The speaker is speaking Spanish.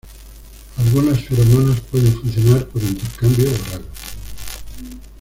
Algunas feromonas pueden funcionar por intercambio oral.